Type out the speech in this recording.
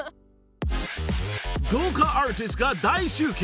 ［豪華アーティストが大集結。